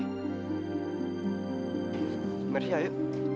terima kasih ayo